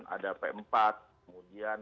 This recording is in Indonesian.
ada p empat kemudian